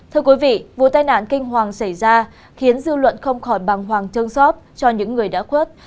thưa quý vị vụ tai nạn kinh hoàng xảy ra khiến dư luận không khỏi bằng hoàng trương xót cho những người đã khuất